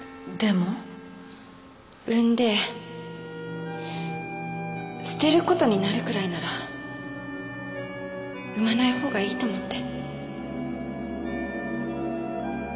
産んで捨てることになるくらいなら産まない方がいいと思って